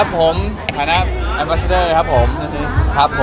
ฮ่า